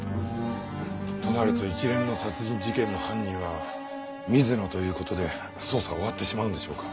となると一連の殺人事件の犯人は水野という事で捜査は終わってしまうんでしょうか？